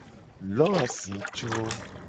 Lo azicro.